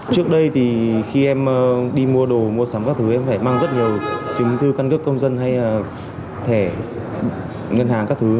trước đây thì khi em đi mua đồ mua sắm các thứ em phải mang rất nhiều chứng tư căn cước công dân hay là thẻ ngân hàng các thứ